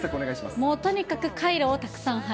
もうとにかくカイロをたくさん貼る。